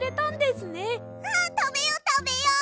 たべようたべよう！